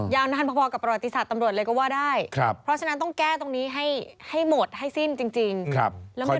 ยาวนานพอกับประวัติศาสตร์ตำรวจเลยก็ว่าได้เพราะฉะนั้นต้องแก้ตรงนี้ให้หมดให้สิ้นจริงแล้ว